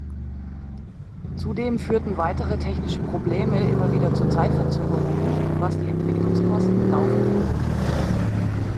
Zudem führten weitere technische Probleme immer wieder zu Zeitverzögerungen, was die Entwicklungskosten laufend erhöhte.